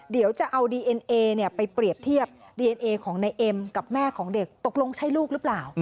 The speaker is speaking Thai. เดี๋ยวจะเอาดีเอ็นเอไปเปรียบเทียบดีเอนเอของนายเอ็มกับแม่ของเด็กตกลงใช่ลูกหรือเปล่า